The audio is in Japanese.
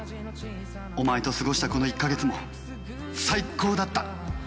お前と過ごしたこの１カ月も最高だった